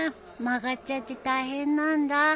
曲がっちゃって大変なんだ。